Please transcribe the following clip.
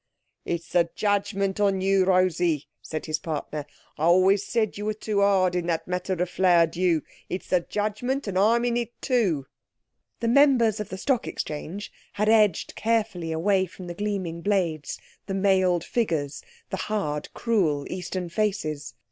"It's a judgement on you, Rosy," said his partner. "I always said you were too hard in that matter of Flowerdew. It's a judgement, and I'm in it too." The members of the Stock Exchange had edged carefully away from the gleaming blades, the mailed figures, the hard, cruel Eastern faces.